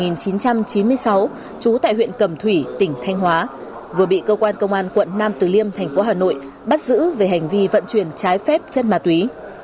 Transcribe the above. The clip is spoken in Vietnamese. năm một nghìn chín trăm chín mươi sáu trú tại huyện cầm thủy tỉnh thanh hóa vừa bị cơ quan công an quận nam từ liêm thành phố hà nội bắt giữ về hành vi vận chuyển trái phép chất ma túy